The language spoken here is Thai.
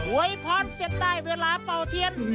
วยพรเสร็จได้เวลาเป่าเทียน